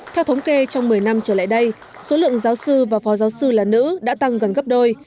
theo thống kê trong một mươi năm trở lại đây số lượng giáo sư và phó giáo sư là nữ đã tăng gần gấp đôi